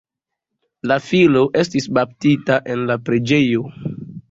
La filo estis baptita en la preĝejo.